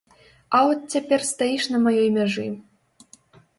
А от цяпер стаіш на маёй мяжы.